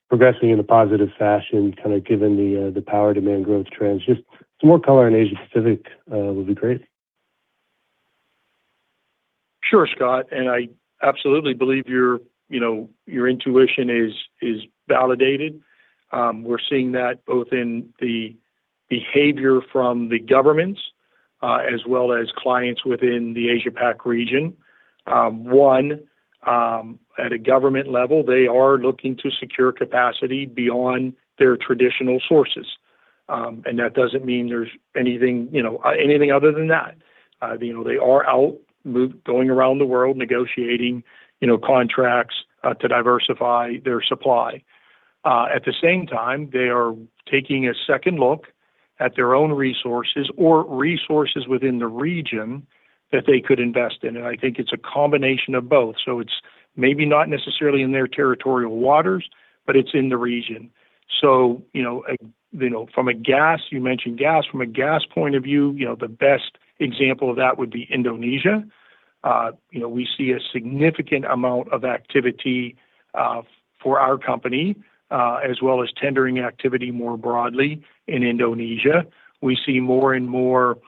progressing in a positive fashion, kind of given the power demand growth trends. Just some more color on Asia-Pacific would be great. Sure, Scott, I absolutely believe your intuition is validated. We're seeing that both in the behavior from the governments, as well as clients within the Asia Pac region. One, at a government level, they are looking to secure capacity beyond their traditional sources. That doesn't mean there's anything other than that. They are out, going around the world negotiating contracts to diversify their supply. At the same time, they are taking a second look at their own resources or resources within the region that they could invest in, and I think it's a combination of both. It's maybe not necessarily in their territorial waters, but it's in the region. From a gas, you mentioned gas, from a gas point of view, the best example of that would be Indonesia. We see a significant amount of activity for our company, as well as tendering activity more broadly in Indonesia. We see more and more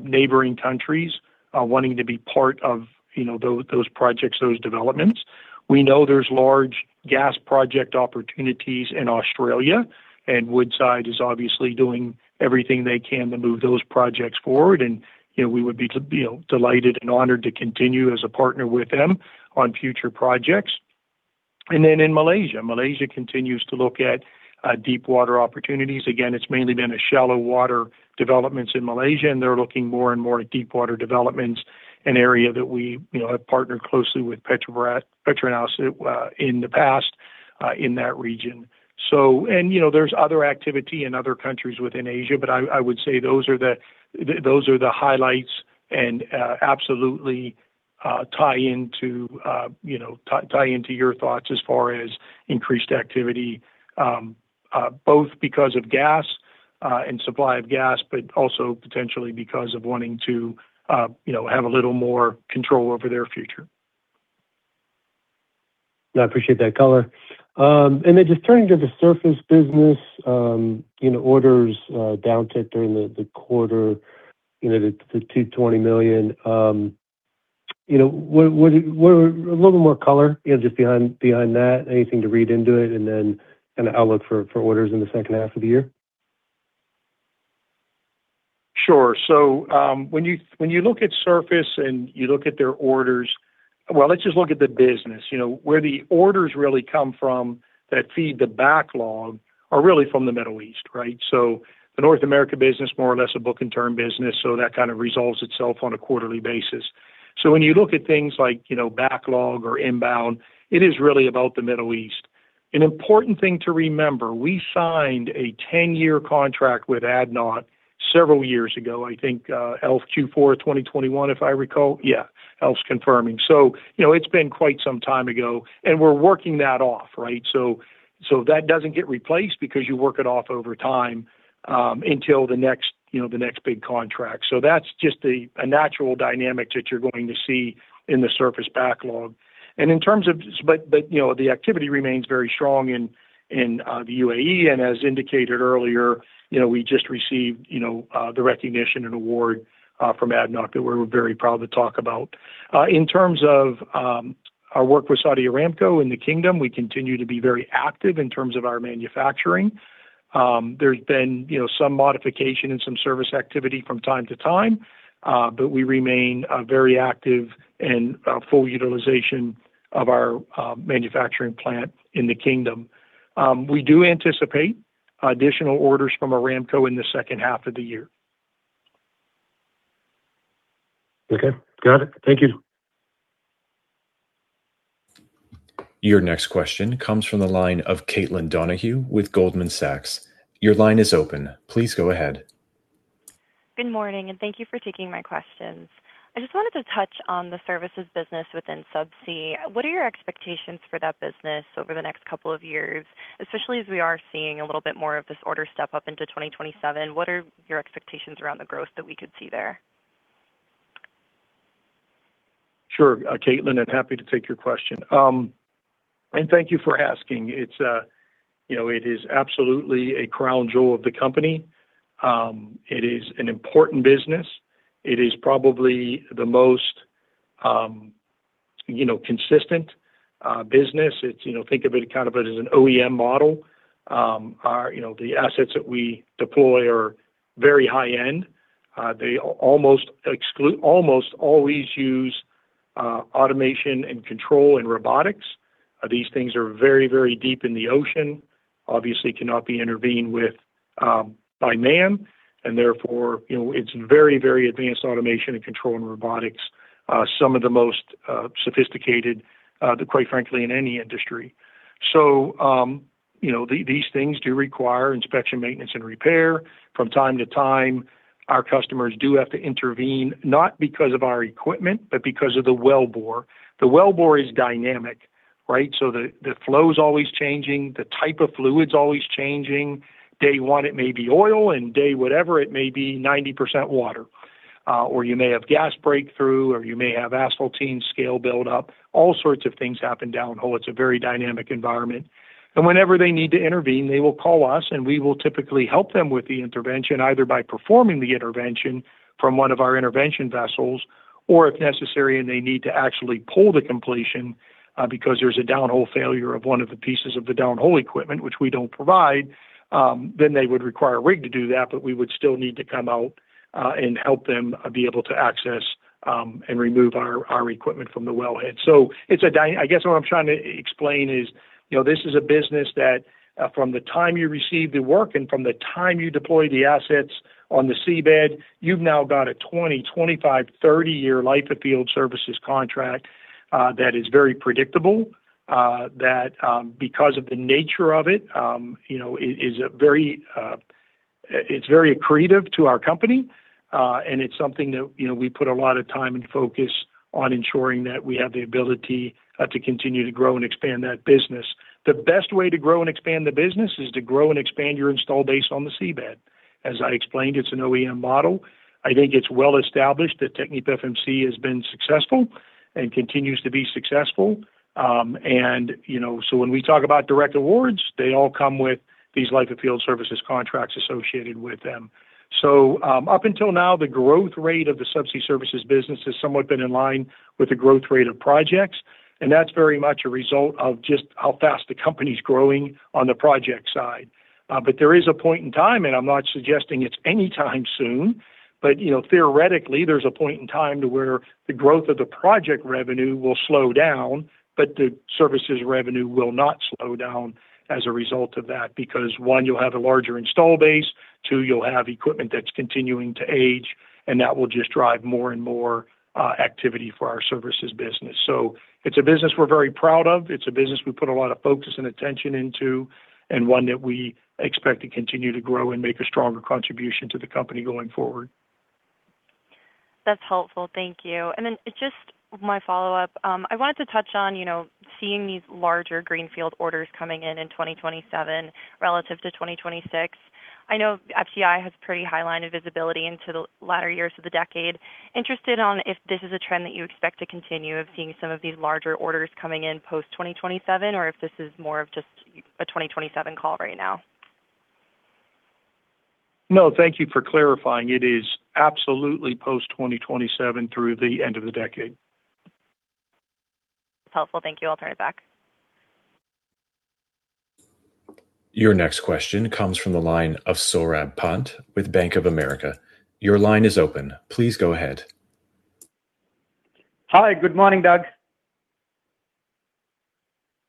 neighboring countries wanting to be part of those projects, those developments. We know there's large gas project opportunities in Australia, Woodside is obviously doing everything they can to move those projects forward. We would be delighted and honored to continue as a partner with them on future projects. Then in Malaysia. Malaysia continues to look at deep water opportunities. Again, it's mainly been a shallow water developments in Malaysia, and they're looking more and more at deep water developments, an area that we have partnered closely with Petronas in the past in that region. There is other activity in other countries within Asia, but I would say those are the highlights and absolutely tie into your thoughts as far as increased activity, both because of gas and supply of gas, but also potentially because of wanting to have a little more control over their future. No, I appreciate that color. Just turning to the surface business, orders downticked during the quarter to $220 million. A little more color just behind that, anything to read into it, and kind of outlook for orders in the second half of the year? Sure. When you look at surface and you look at the business. Where the orders really come from that feed the backlog are really from the Middle East, right? The North America business, more or less, a book-and-turn business, so that kind of resolves itself on a quarterly basis. When you look at things like backlog or inbound, it is really about the Middle East. An important thing to remember, we signed a 10-year contract with ADNOC several years ago, I think, Alf Q4 2021, if I recall. Yeah. Alf's confirming. It's been quite some time ago, and we're working that off, right? That doesn't get replaced because you work it off over time, until the next big contract. That's just a natural dynamic that you're going to see in the surface backlog. The activity remains very strong in the UAE, and as indicated earlier, we just received the recognition and award from ADNOC that we're very proud to talk about. In terms of our work with Saudi Aramco in the Kingdom, we continue to be very active in terms of our manufacturing. There's been some modification and some service activity from time to time, but we remain very active in full utilization of our manufacturing plant in the Kingdom. We do anticipate additional orders from Aramco in the second half of the year. Okay. Got it. Thank you. Your next question comes from the line of Caitlin Donohue with Goldman Sachs. Your line is open. Please go ahead. Good morning, and thank you for taking my questions. I just wanted to touch on the services business within Subsea. What are your expectations for that business over the next couple of years? Especially as we are seeing a little bit more of this order step up into 2027, what are your expectations around the growth that we could see there? Sure, Caitlin, happy to take your question. Thank you for asking. It is absolutely a crown jewel of the company. It is an important business. It is probably the most consistent business. Think of it kind of as an OEM model. The assets that we deploy are very high-end. They almost always use automation and control and robotics. These things are very, very deep in the ocean, obviously cannot be intervened with by man, and therefore, it's very, very advanced automation and control and robotics, some of the most sophisticated, quite frankly, in any industry. These things do require inspection, maintenance, and repair from time to time. Our customers do have to intervene, not because of our equipment, but because of the wellbore. The wellbore is dynamic, right? The flow's always changing, the type of fluid's always changing. Day one, it may be oil, and day whatever, it may be 90% water. You may have gas breakthrough, or you may have asphaltene scale buildup. All sorts of things happen downhole. It's a very dynamic environment. Whenever they need to intervene, they will call us, and we will typically help them with the intervention, either by performing the intervention from one of our intervention vessels or if necessary, and they need to actually pull the completion because there's a downhole failure of one of the pieces of the downhole equipment, which we don't provide, then they would require a rig to do that, but we would still need to come out and help them be able to access and remove our equipment from the wellhead. I guess what I'm trying to explain is this is a business that from the time you receive the work and from the time you deploy the assets on the seabed, you've now got a 20, 25, 30-year life-of-field services contract that is very predictable. That because of the nature of it's very accretive to our company. It's something that we put a lot of time and focus on ensuring that we have the ability to continue to grow and expand that business. The best way to grow and expand the business is to grow and expand your install base on the seabed. As I explained, it's an OEM model. I think it's well established that TechnipFMC has been successful and continues to be successful. When we talk about direct awards, they all come with these life-of-field services contracts associated with them. Up until now, the growth rate of the Subsea Services business has somewhat been in line with the growth rate of projects, and that's very much a result of just how fast the company's growing on the project side. There is a point in time, and I'm not suggesting it's anytime soon, but theoretically, there's a point in time to where the growth of the project revenue will slow down, but the services revenue will not slow down as a result of that, because one, you'll have a larger install base, two, you'll have equipment that's continuing to age, and that will just drive more and more activity for our services business. It's a business we're very proud of. It's a business we put a lot of focus and attention into, one that we expect to continue to grow and make a stronger contribution to the company going forward. That's helpful. Thank you. Just my follow-up. I wanted to touch on seeing these larger greenfield orders coming in in 2027 relative to 2026. I know TechnipFMC has pretty high line of visibility into the latter years of the decade. Interested on if this is a trend that you expect to continue of seeing some of these larger orders coming in post-2027, or if this is more of just a 2027 call right now. No, thank you for clarifying. It is absolutely post-2027 through the end of the decade. That's helpful. Thank you. I'll turn it back. Your next question comes from the line of Saurabh Pant with Bank of America. Your line is open. Please go ahead. Hi. Good morning, Doug.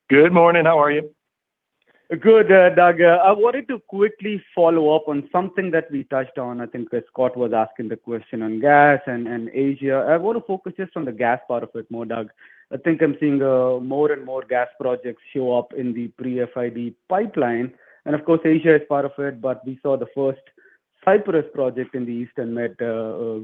Good morning. How are you? Good Doug. I wanted to quickly follow up on something that we touched on. I think Scott was asking the question on gas and Asia. I want to focus just on the gas part of it more, Doug. I think I'm seeing more and more gas projects show up in the pre-FID pipeline, and of course, Asia is part of it, but we saw the first Cyprus project in the Eastern Med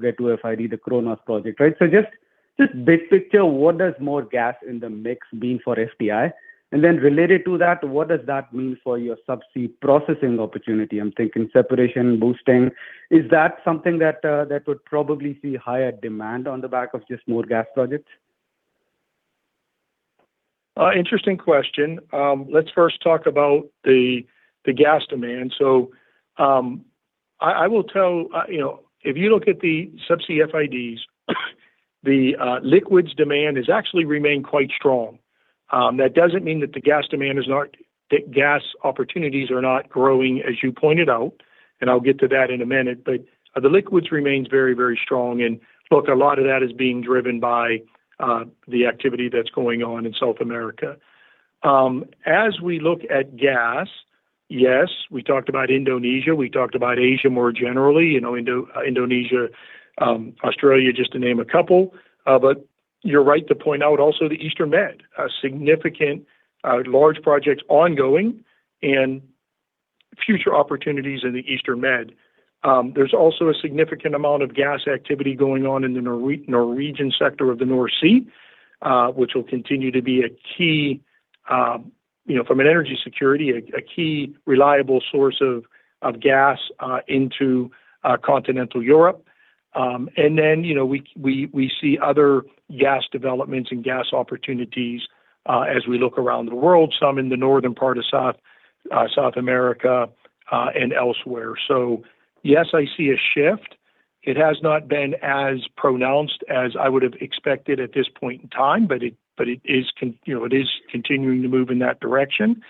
get to FID, the Cronos project, right? Just big picture, what does more gas in the mix mean for TechnipFMC? And then related to that, what does that mean for your subsea processing opportunity? I'm thinking separation, boosting. Is that something that would probably see higher demand on the back of just more gas projects? Interesting question. Let's first talk about the gas demand. If you look at the subsea FIDs, the liquids demand has actually remained quite strong. That doesn't mean that gas opportunities are not growing, as you pointed out, and I'll get to that in a minute, but the liquids remains very strong, and look, a lot of that is being driven by the activity that's going on in South America. As we look at gas, yes, we talked about Indonesia, we talked about Asia more generally, Indonesia, Australia, just to name a couple. You're right to point out also the Eastern Med. Significant, large projects ongoing and future opportunities in the Eastern Med. There's also a significant amount of gas activity going on in the Norwegian sector of the North Sea, which will continue to be, from an energy security, a key reliable source of gas into continental Europe. We see other gas developments and gas opportunities as we look around the world, some in the northern part of South America, and elsewhere. Yes, I see a shift. It has not been as pronounced as I would have expected at this point in time, but it is continuing to move in that direction.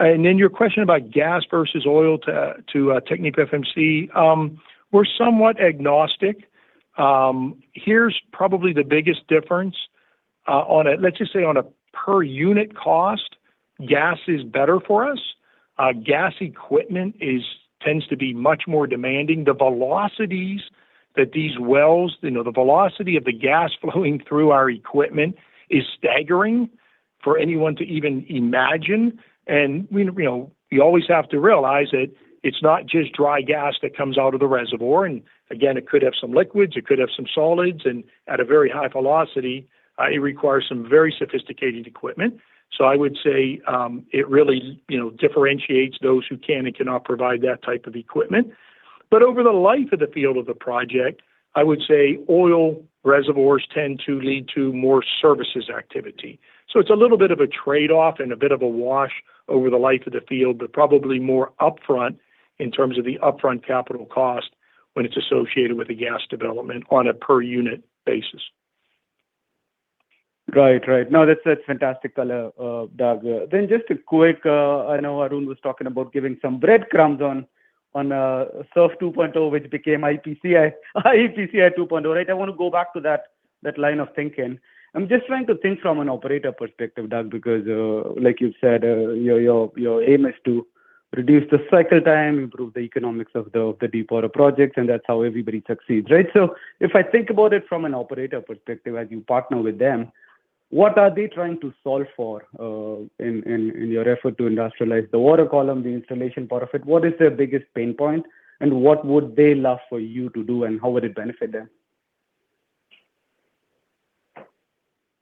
Your question about gas versus oil to TechnipFMC. We're somewhat agnostic. Here's probably the biggest difference, let's just say on a per unit cost, gas is better for us. Gas equipment tends to be much more demanding. The velocities that these wells, the velocity of the gas flowing through our equipment is staggering for anyone to even imagine. We always have to realize that it's not just dry gas that comes out of the reservoir, and again, it could have some liquids, it could have some solids, and at a very high velocity, it requires some very sophisticated equipment. I would say it really differentiates those who can and cannot provide that type of equipment. Over the life of the field of the project, I would say oil reservoirs tend to lead to more services activity. It's a little bit of a trade-off and a bit of a wash over the life of the field, but probably more upfront in terms of the upfront capital cost when it's associated with a gas development on a per unit basis. Right. No, that's fantastic, Doug. Just a quick, I know Arun was talking about giving some breadcrumbs on SURF 2.0, which became iEPCI 2.0, right? I want to go back to that line of thinking. I'm just trying to think from an operator perspective, Doug, because like you said, your aim is to reduce the cycle time, improve the economics of the deepwater projects, and that's how everybody succeeds, right? If I think about it from an operator perspective, as you partner with them, what are they trying to solve for in your effort to industrialize the water column, the installation part of it? What is their biggest pain point, and what would they love for you to do, and how would it benefit them?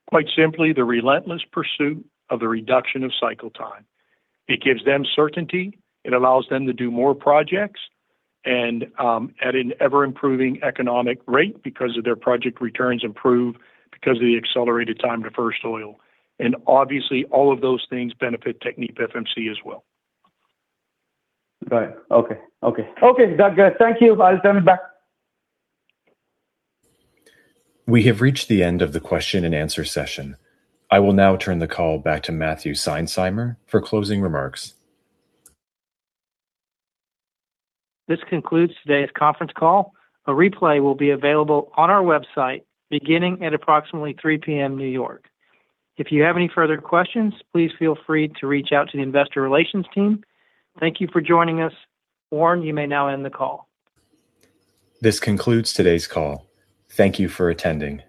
Quite simply, the relentless pursuit of the reduction of cycle time. It gives them certainty, it allows them to do more projects, and at an ever-improving economic rate because of their project returns improve because of the accelerated time to first oil. Obviously all of those things benefit TechnipFMC as well. Right. Okay. Okay, Doug. Thank you. I will turn it back. We have reached the end of the question and answer session. I will now turn the call back to Matthew Seinsheimer for closing remarks. This concludes today's conference call. A replay will be available on our website beginning at approximately 3:00 P.M. New York. If you have any further questions, please feel free to reach out to the investor relations team. Thank you for joining us. Warren, you may now end the call. This concludes today's call. Thank you for attending.